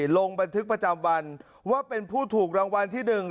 ลงบันทึกประจำวันว่าเป็นผู้ถูกรางวัลที่๑